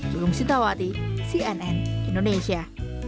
julung sintawati cnn indonesia